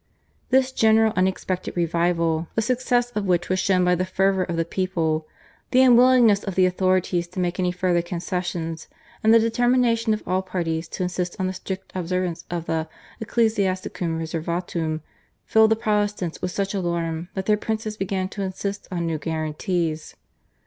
This general unexpected revival, the success of which was shown by the fervour of the people, the unwillingness of the authorities to make any further concessions, and the determination of all parties to insist on the strict observance of the /Ecclesiasticum Reservatum/ filled the Protestants with such alarm that their princes began to insist on new guarantees.